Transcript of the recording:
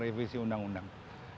tapi merevisi accounting kan masih mudah